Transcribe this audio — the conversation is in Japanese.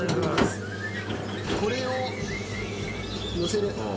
これをのせる。